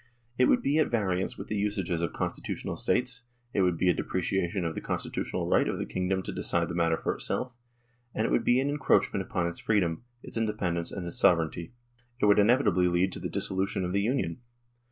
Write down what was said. It would be at variance with the usages of constitutional states, it would be a depreciation of the constitutional right of the kingdom to decide the matter for itself, and it would be an encroachment upon its freedom, its independence, and its sovereignty. It would inevitably lead to the dissolution of the union.